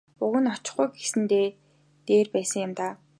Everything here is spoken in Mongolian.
Уг нь очихгүй байсан нь дээр байсан юм даа.